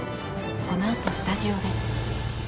このあと、スタジオで。